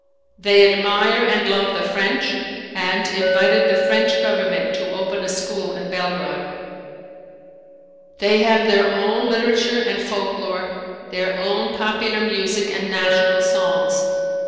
They admire and love the French and invited the French Government to open a school in Belgrade. They have their own literature and folklore, their own popular music and national songs.